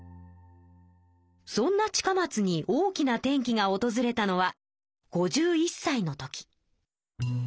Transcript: そんな近松に大きな転機がおとずれたのは５１さいの時。